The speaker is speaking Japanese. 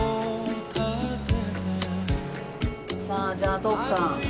さあじゃあ徳さん